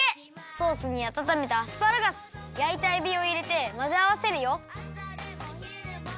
ソースにあたためたアスパラガスやいたえびをいれてまぜあわせるよ。